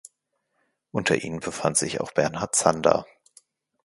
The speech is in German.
Unter ihnen befand sich auch Bernhard Zander.